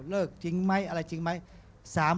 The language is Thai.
จริงไหมอะไรจริงไหม